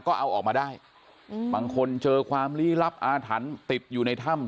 ก็เอาออกมาได้บางคนเจอความลี้ลับอาถรรพ์ติดอยู่ในถ้ำ